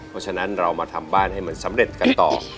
เพราะฉะนั้นเรามาทำบ้านให้มันสำเร็จกันต่อ